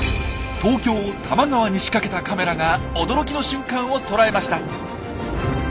東京多摩川に仕掛けたカメラが驚きの瞬間を捉えました。